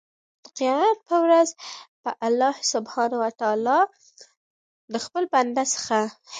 د قيامت په ورځ به الله سبحانه وتعالی د خپل بنده څخه